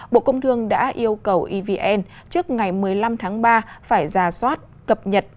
bộ công thương đã yêu cầu evn trước ngày một mươi năm tháng ba phải ra soát cập nhật